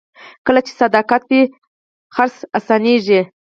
کله چې صداقت وي، خرڅ اسانېږي.